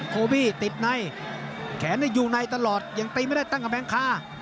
โคบี้ติดในแขนอยู่ในตลอดยังตีไม่ได้ตั้งกำแพงคา